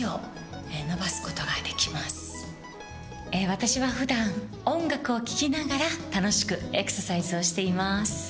私は普段音楽を聴きながら楽しくエクササイズをしています。